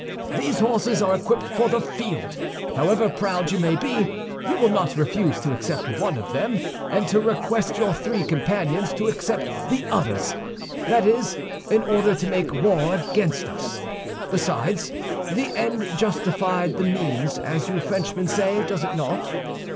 These horses are equipped for the field. However proud you may be, you will not refuse to accept one of them, and to request your three companions to accept the others—that is, in order to make war against us. Besides, the end justified the means, as you Frenchmen say, does it not?"